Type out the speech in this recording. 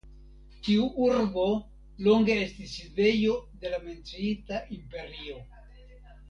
Tiu urbo longe estis sidejo de la menciita imperio.